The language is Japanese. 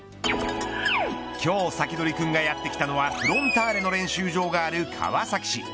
今日サキドリ君がやってきたのはフロンターレの練習場がある川崎市。